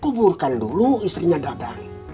kuburkan dulu istrinya dadang